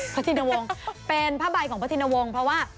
พระทีนาวงเป็นผ้าใบของพระทีนาวงเพราะว่า